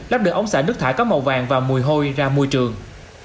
lắp được ống xả nước thải có màu vàng và mùi hôi ra môi trường